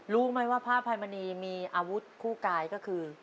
รู้ไหมว่าพระอภัยมณีมีอาวุธคู่กายก็คือ